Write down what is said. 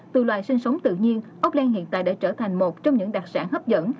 từ loài sinh sống tự nhiên ốc len hiện tại đã trở thành một trong những đặc sản hấp dẫn